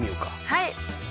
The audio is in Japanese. はい。